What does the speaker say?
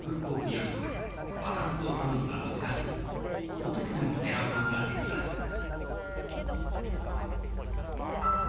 コークよりもバランスを取るのが難しく高得点をねらうことができます。